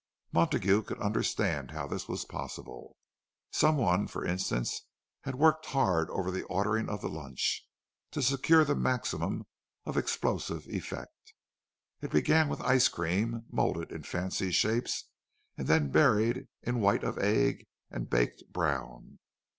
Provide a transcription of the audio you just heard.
Montague could understand how this was possible. Some one, for instance, had worked hard over the ordering of the lunch—to secure the maximum of explosive effect. It began with ice cream, moulded in fancy shapes and then buried in white of egg and baked brown.